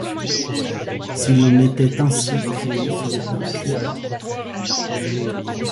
S’il en était ainsi, créer serait un crime ;